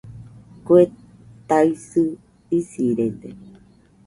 Kue taisɨ isirede